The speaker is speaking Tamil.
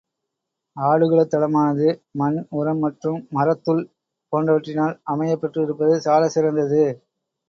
ஆடுகளத் தளமானது, மண், உரம் மற்றும் மரத்துள் போன்றவற்றினால் அமையப் பெற்றிருப்பது சாலச்சிறந்ததது.